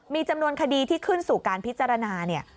มีจำนวนคดีที่ขึ้นสู่การพิจารณาเนี่ย